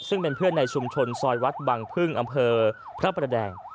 ซึ่งเป็นเพื่อนในชุมชนซอยวัดบังพึ่งอำเภอพระประแดง